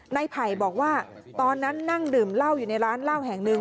ไผ่บอกว่าตอนนั้นนั่งดื่มเหล้าอยู่ในร้านเหล้าแห่งหนึ่ง